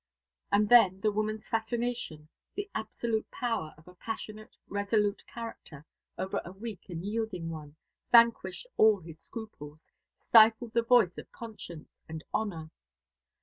And then the woman's fascination, the absolute power of a passionate, resolute character over a weak and yielding one, vanquished all his scruples, stifled the voice of conscience and honour.